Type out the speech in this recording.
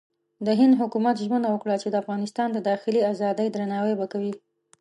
د هند حکومت ژمنه وکړه چې د افغانستان د داخلي ازادۍ درناوی به کوي.